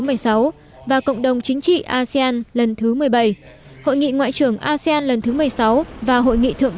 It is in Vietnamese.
hội nghị ngoại trưởng asean lần thứ một mươi bảy hội nghị ngoại trưởng asean lần thứ một mươi sáu và hội nghị thượng